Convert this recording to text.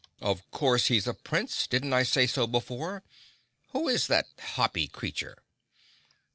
"Of course he's a Prince. Didn't I say so before? Who is that hoppy creature?"